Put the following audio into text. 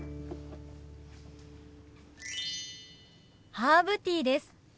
ハーブティーです。